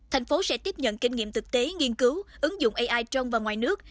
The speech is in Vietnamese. thành phố sẽ tiếp nhận kinh nghiệm thực tế nghiên cứu ứng dụng ai trong và ngoài nước